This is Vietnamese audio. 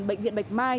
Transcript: bệnh viện bạch mai